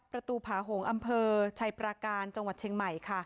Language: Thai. ประตูผาหงอำเภอชัยประการจังหวัดเชียงใหม่ค่ะ